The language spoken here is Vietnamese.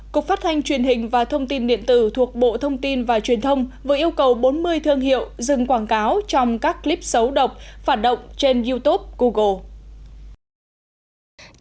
cục phát thanh truyền hình và thông tin điện tử thuộc bộ thông tin và truyền thông vừa yêu cầu bốn mươi thương hiệu dừng quảng cáo trong các clip xấu độc phản động trên youtube google